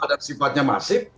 ada sifatnya masif